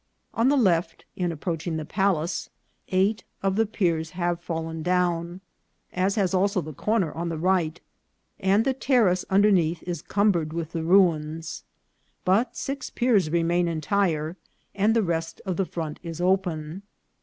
On the left (in approaching the palace) eight of the piers have fallen down, as has also the corner on the right, and the terrace underneath is cumbered with the ruins. But six piers remain entire, and the rest of the front is open.